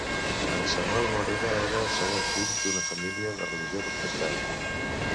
En Samuel Morera era el segon fill d'una família de religió protestant.